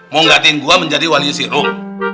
mau nggatiin gua menjadi walinya si rum